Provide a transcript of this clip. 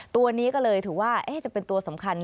ตัวนี้ก็เลยถือว่าจะเป็นตัวสำคัญ